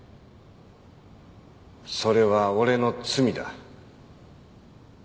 それは俺の罪だ。